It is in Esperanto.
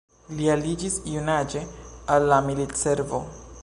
Li aliĝis junaĝe al la militservo.